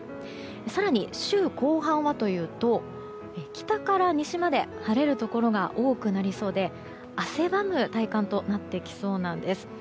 更に週後半はというと北から西まで晴れるところが多くなりそうで汗ばむ体感となってきそうなんです。